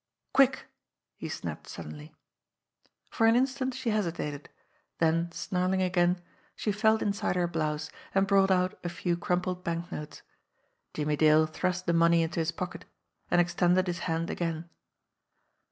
"Quick !" he snapped suddenly. 60 JIMMIE DALE AND THE PHANTOM CLUE For an instant she hesitated, then snarling again, she felt inside her blouse and brought out a few crumpled banknotes. Jimmie Dale thrust the money into his pocket and ex tended his hand again.